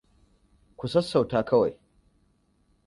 Ku sassauta kawai.